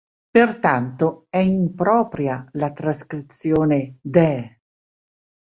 Pertanto è impropria la trascrizione 'deh!